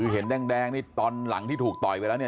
เห็นแดงนี่ตอนหลังที่ถูกต่อยไปแล้วเนี่ย